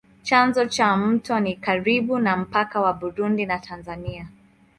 Chanzo cha mto ni karibu na mpaka wa Burundi na Tanzania.